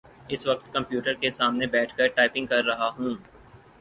اس وقت کمپیوٹر کے سامنے بیٹھ کر ٹائپنگ کر رہا ہوں۔